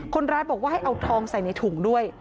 คนร้ายบอกว่าให้เอาทองใส่ในถุงด้วย